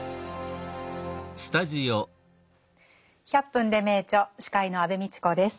「１００分ｄｅ名著」司会の安部みちこです。